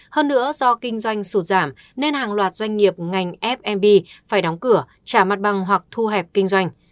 hơn nữa do kinh doanh sụt giảm nên hàng loạt doanh nghiệp ngành fmb phải đóng cửa trả mặt bằng hoặc thu hẹp kinh doanh